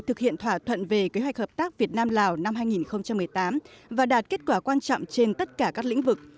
thực hiện thỏa thuận về kế hoạch hợp tác việt nam lào năm hai nghìn một mươi tám và đạt kết quả quan trọng trên tất cả các lĩnh vực